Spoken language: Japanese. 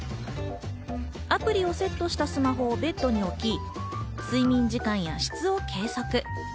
アプリをセットしたスマホをベッドに置き、睡眠時間や質を計測。